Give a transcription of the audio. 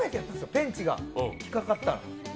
ペンチが引っかかったの。